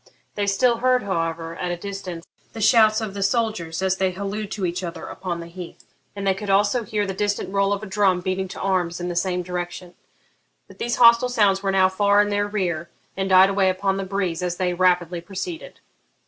They still heard, however, at a distance the shouts of the soldiers as they hallooed to each other upon the heath, and they could also hear the distant roll of a drum beating to arms in the same direction. But these hostile sounds were now far in their rear, and died away upon the breeze as they rapidly proceeded.